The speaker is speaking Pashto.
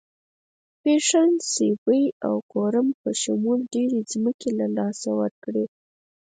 پښین، سیبۍ او کورم په شمول ډېرې ځمکې له لاسه ورکړې.